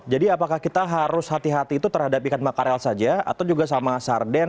apakah kita harus hati hati itu terhadap ikan makarel saja atau juga sama sarden